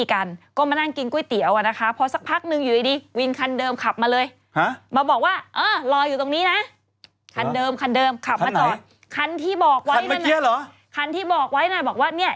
คันที่บอกไว้นั่นน่ะคันที่บอกไว้นะบอกว่าเนี่ย